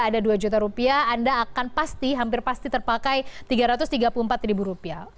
ada dua juta rupiah anda akan pasti hampir pasti terpakai tiga ratus tiga puluh empat ribu rupiah